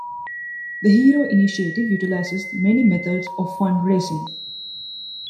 The Hero Initiative utilizes many methods of fundraising.